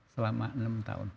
selama enam tahun